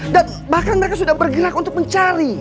dan bahkan mereka sudah bergerak untuk mencari